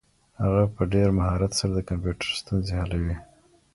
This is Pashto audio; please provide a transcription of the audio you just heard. هغه په ډېر مهارت سره د کمپيوټر ستونزې حلوي.